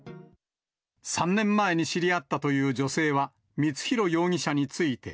３年前に知り合ったという女性は、光弘容疑者について。